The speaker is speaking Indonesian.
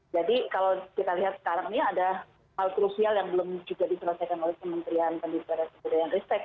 jadi kalau kita lihat sekarang ini ada hal krusial yang belum juga diselesaikan oleh kementerian kandisaraya kebudayaan respekt